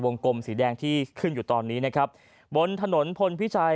กลมสีแดงที่ขึ้นอยู่ตอนนี้นะครับบนถนนพลพิชัย